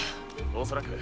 恐らく。